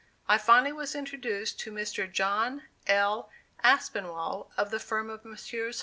I finally was introduced to Mr. John L. Aspinwall, of the firm of Messrs.